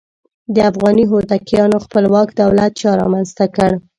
د افغاني هوتکیانو خپلواک دولت چا رامنځته کړ؟